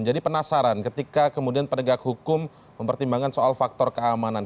jadi penasaran ketika kemudian penegak hukum mempertimbangkan soal faktor keamanan